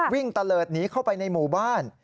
ตะเลิศหนีเข้าไปในหมู่บ้าน